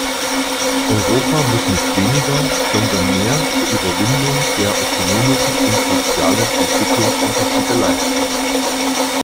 Europa muss nicht weniger, sondern mehr zur Überwindung der ökonomischen und sozialen Entwicklungsunterschiede leisten.